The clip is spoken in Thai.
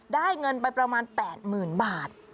ได้เงินไปประมาณ๘๐๐๐บาท